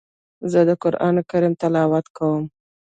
زه د قرآن کريم تلاوت کوم.